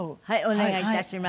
お願い致します